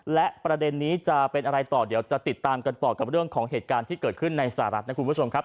และประเด็นนี้จะเป็นอะไรต่อเดี๋ยวจะติดตามกันต่อกับเรื่องของเหตุการณ์ที่เกิดขึ้นในสหรัฐนะคุณผู้ชมครับ